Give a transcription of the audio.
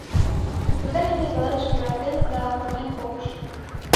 Кузе нине пеледышым йӧратен да куанен погыш!